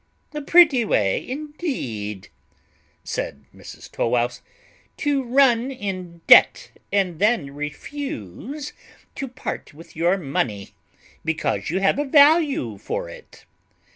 "A pretty way, indeed," said Mrs Tow wouse, "to run in debt, and then refuse to part with your money, because you have a value for it!